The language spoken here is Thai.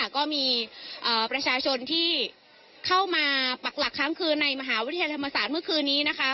ก็มีประชาชนที่เข้ามาปักหลักครั้งคืนในมหาวิทยาลัยธรรมศาสตร์เมื่อคืนนี้นะคะ